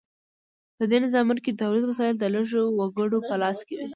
په دې نظامونو کې د تولید وسایل د لږو وګړو په لاس کې وي.